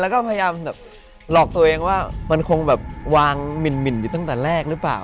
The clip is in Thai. ก็พยายามหลอกตัวเองว่ามันคงวางมิ่นอยู่ตั้งแต่แรกหรือเปล่า